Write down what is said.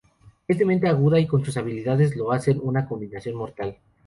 Es de mente aguda y con sus habilidades lo hacen una combinación mortal.